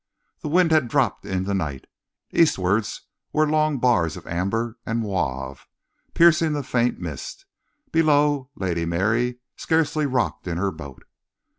The wind had dropped in the night. Eastwards were long bars of amber and mauve, piercing the faint mist. Below, Lady Mary scarcely rocked in her boat.